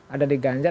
ada di ganjar